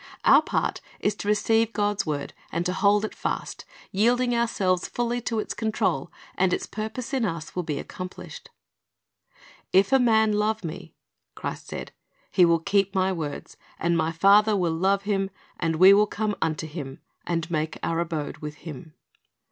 Our part is to receive God's word and to hold it fast, yielding ourselves fully to its control, and its purpose in us will be accomplished. "If a man love Me," Christ said, "he will keep My words; and My Father will love him, and we will come unto him, and make our abode with him."